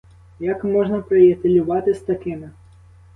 Як можна приятелювати з такими?